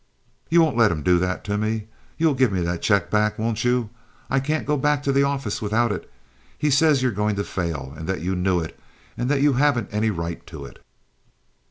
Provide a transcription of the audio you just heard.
You won't let him do that to me? You'll give me that check back, won't you? I can't go back to the office without it. He says you're going to fail, and that you knew it, and that you haven't any right to it."